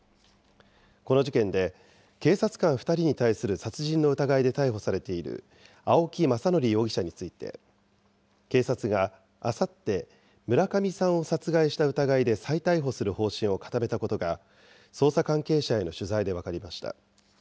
この事件で、警察官２人に対する殺人の疑いで逮捕されている、青木政憲容疑者について、警察があさって、村上さんを殺害した疑いで再逮捕する方針を固めたことが、捜査関係者への取材で分かりました。